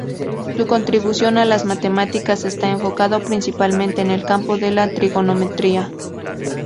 Su contribución a las matemáticas está enfocado principalmente en el campo de la trigonometría.